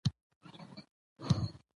ماشومان د لوبو پر مهال ګډ کار زده کوي